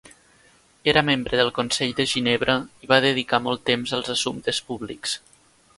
Era membre del Consell de Ginebra i va dedicar molt temps als assumptes públics.